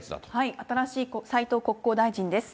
新しい斉藤国交大臣です。